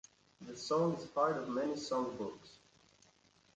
The song is part of many songbooks.